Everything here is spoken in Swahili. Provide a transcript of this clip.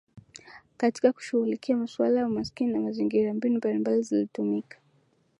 Katika kushughulikia masuala ya umaskini na mazingira mbinu mbalimbali zilitumika